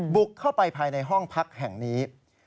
บุกเข้าไปภายในห้องพักแห่งนี้